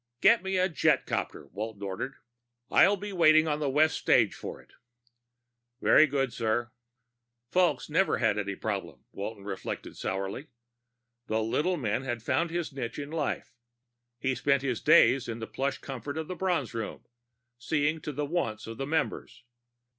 "Get me a jetcopter," Walton ordered. "I'll be waiting on the west stage for it." "Very good, sir." Fulks never had any problems, Walton reflected sourly. The little man had found his niche in life; he spent his days in the plush comfort of the Bronze Room, seeing to the wants of the members.